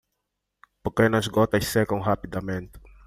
Pequenas gotas secam rapidamente.